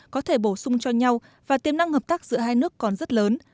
có thể bổ sung cho nhau và tiềm năng hợp tác giữa hai nước còn rất lớn